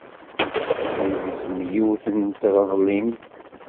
Yegzem yiwet n treḍlimt.